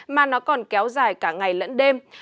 mà nó còn kéo dài cả ngày lẫn đêm